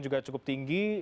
juga cukup tinggi